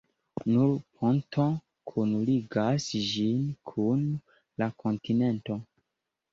Nur ponto kunligas ĝin kun la kontinento.